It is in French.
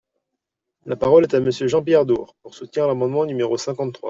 La parole est à Monsieur Jean-Pierre Door, pour soutenir l’amendement numéro cinquante-trois.